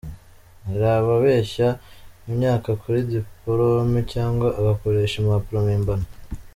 Hari ababeshya imyaka kuri dipolome cyangwa agakoresha impapuro mpimbano.